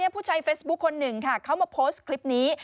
ผู้ใช้เฟซบุ๊คคนหนึ่งค่ะเขามาโพสต์คลิปนี้